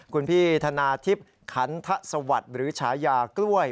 คุณพี่ธนาทิพย์ขันทสวัสดิ์หรือฉายากล้วย